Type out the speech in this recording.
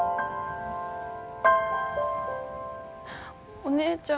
お姉ちゃん。